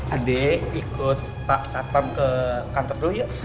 adik ikut pak satpam ke kantor dulu yuk